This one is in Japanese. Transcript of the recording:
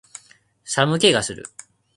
寒気がする